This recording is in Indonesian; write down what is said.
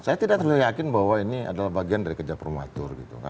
saya tidak terlalu yakin bahwa ini adalah bagian dari kerja formatur